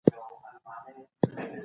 ایا مسلکي بزګر کاغذي بادام پلوري؟